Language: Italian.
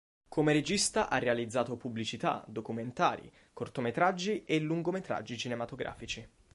Come regista ha realizzato pubblicità, documentari, cortometraggi e lungometraggi cinematografici.